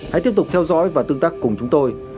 hãy tiếp tục theo dõi và tương tác cùng chúng tôi